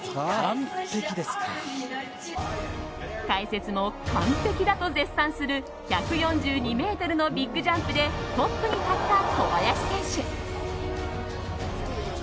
解説も完璧だと絶賛する１４２ｍのビッグジャンプでトップに立った小林選手。